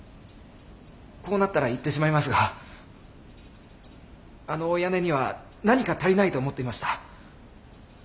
こうなったら言ってしまいますがあの大屋根には何か足りないと思っていました。